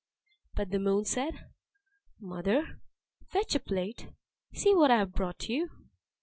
But Moon said, "Mother, fetch a plate, see what I have brought you."